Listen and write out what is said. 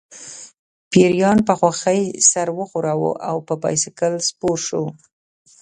پیریان په خوښۍ سر وښوراوه او په بایسکل سپور شو